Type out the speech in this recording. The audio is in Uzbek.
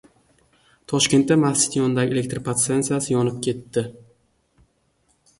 Toshkentda masjid yonidagi elektr podstansiyasi yonib ketdi